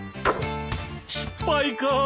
失敗かー。